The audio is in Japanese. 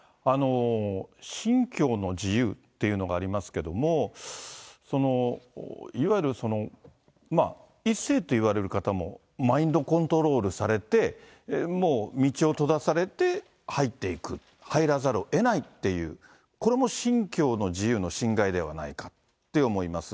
信教の自由っていうのがありますけども、いわゆる、まあ、１世と言われる方もマインドコントロールされて、もう道を閉ざされて入っていく、入らざるをえないという、これも信教の自由の侵害ではないかって思います。